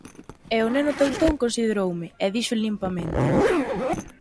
E o neno teutón consideroume, e dixo limpamente: